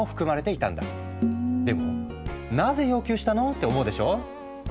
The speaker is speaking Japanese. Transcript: でもなぜ要求したの？って思うでしょ。